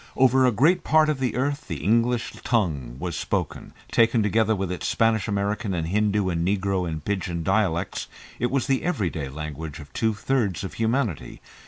Over a great part of the earth the English tongue was spoken; taken together with its Spanish American and Hindoo and Negro and "Pidgin" dialects, it was the everyday language of two thirds of humanity.